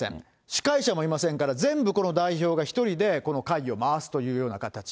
司会者もいませんから、全部この代表が１人で会議を回すというような形。